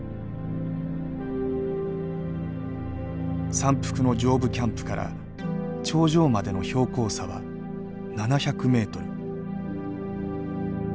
山腹の上部キャンプから頂上までの標高差は７００ｍ。